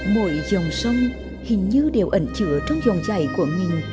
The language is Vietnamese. mỗi dòng sông hình như đều ẩn chữa trong dòng dày của mình